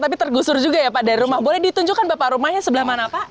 tapi tergusur juga ya pak dari rumah boleh ditunjukkan bapak rumahnya sebelah mana pak